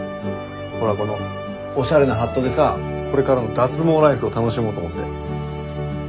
ほらこのおしゃれなハットでさこれからの脱毛ライフを楽しもうと思って。